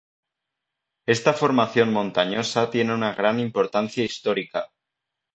Esta formación montañosa tiene una gran importancia histórica.